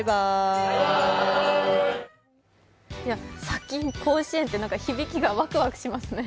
砂金甲子園って響きがワクワクしますね。